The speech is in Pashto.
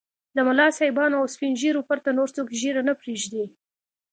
له ملا صاحبانو او سپين ږيرو پرته نور څوک ږيره نه پرېږدي.